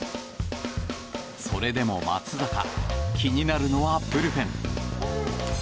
それでも松坂気になるのはブルペン。